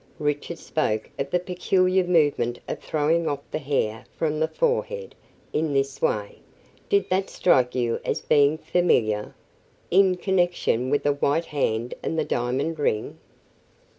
"Richard spoke of the peculiar movement of throwing off the hair from the forehead in this way. Did that strike you as being familiar, in connection with the white hand and the diamond ring?"